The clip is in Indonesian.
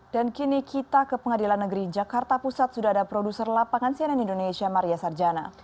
dan kini kita ke pengadilan negeri jakarta pusat sudah ada produser lapangan cyanida indonesia maria sarjana